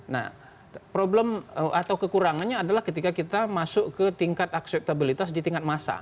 nah problem atau kekurangannya adalah ketika kita masuk ke tingkat akseptabilitas di tingkat massa